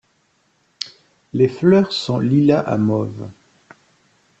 Les fleurs sont lilas à mauves.